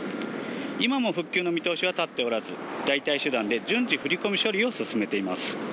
今も復旧の見通しは立っておらず、代替手段で順次、振り込み処理を進めています。